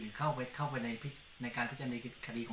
หรือเข้าไปเข้าไปในพิจารณาขายเป็นอีกตัวในที่ในติดขนาดนี้ค่ะ